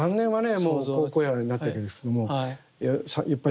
もう好々爺になっていくんですけどもやっぱり